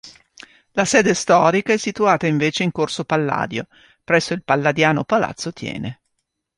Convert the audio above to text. La sede storica è situata invece in Corso Palladio, presso il palladiano Palazzo Thiene.